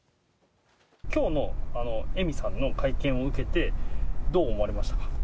きょうの恵美さんの会見を受けて、どう思われましたか。